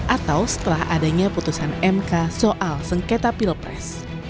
atau setelah adanya putusan mk soal sengketa pilpres